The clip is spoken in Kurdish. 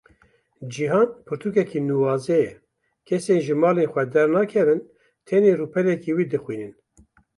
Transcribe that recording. Cîhan pirtûkeke nuwaze ye, kesên ji malên xwe dernakevin, tenê rûpeleke wê dixwînin.